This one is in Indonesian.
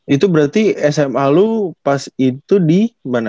itu berarti sma lo pas itu di mana